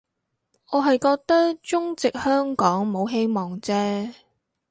我係覺得中殖香港冇希望啫